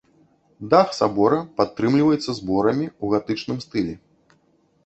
Дах сабора падтрымліваецца зборамі ў гатычным стылі.